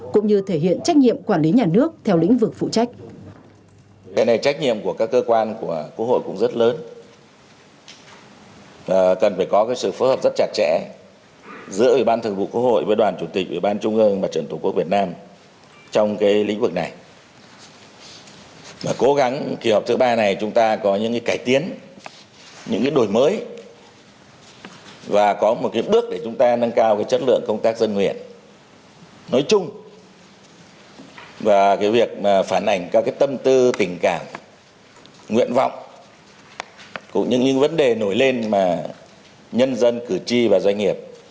cũng như thể hiện trách nhiệm quản lý nhà nước theo lĩnh vực phụ trách